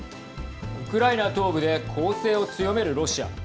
ウクライナ東部で攻勢を強めるロシア。